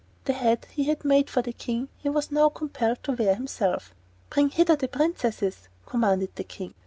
The head he had made for the King he now was compelled to wear himself. "Bring hither the princesses," commanded the King.